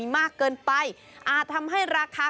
มากเกินไปอาจทำให้ราคา